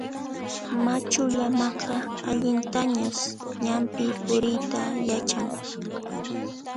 Machu llamaqa allintañas ñanpi puriyta yachan.